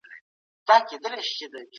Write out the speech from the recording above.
سوسیالیزم د فرد حق تر پښو لاندي کوي.